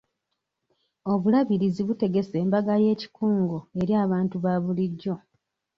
Obulabirizi butegese embaga y'ekikungo eri abantu ba bulijjo.